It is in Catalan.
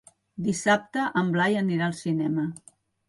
Dissabte en Blai anirà al cinema.